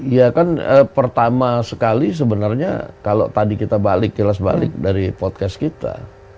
ya kan pertama sekali sebenarnya kalau tadi kita balik kilas balik dari podcast kita